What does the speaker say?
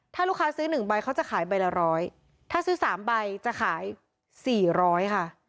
ถ้าลูกค้าซื้อ๑ใบเขาจะขายใบละร้อยถ้าซื้อ๓ใบจะขายสี่ร้อยค่ะ